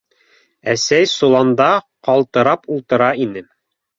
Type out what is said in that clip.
Әсәй соланда ҡалтырап ултыра ине.